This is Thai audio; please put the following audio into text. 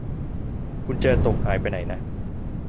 กุญแจตกหายไปไหนนะ